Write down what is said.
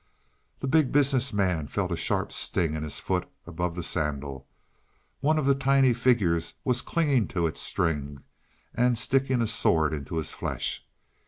The Big Business Man felt a sharp sting in his foot above the sandal. One of the tiny figures was clinging to its string and sticking a sword into his flesh.